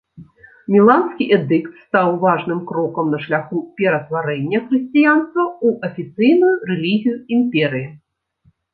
Міланскі эдыкт стаў важным крокам на шляху ператварэння хрысціянства ў афіцыйную рэлігію імперыі.